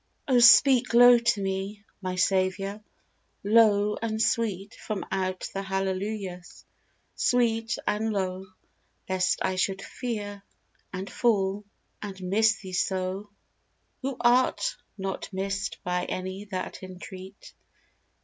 O PEAK low to me, my Saviour, low and sweet From out the hallelujahs, sweet and low, Lest I should fear and fall, and miss Thee so 12 FROM QUEENS' GARDENS. Who art not missed by any that entreat.